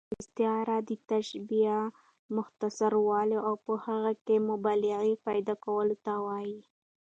استعاره د تشبیه، مختصرولو او په هغې کښي مبالغې پیدا کولو ته وايي.